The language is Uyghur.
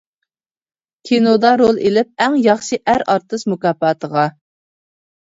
كىنودا رول ئىلىپ ئەڭ ياخشى ئەر ئارتىس مۇكاپاتىغا.